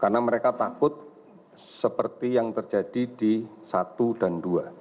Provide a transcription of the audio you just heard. karena mereka takut seperti yang terjadi di satu dan dua